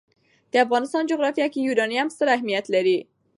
د افغانستان جغرافیه کې یورانیم ستر اهمیت لري.